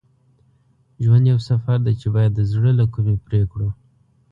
ژوند یو سفر دی چې باید د زړه له کومي پرې کړو.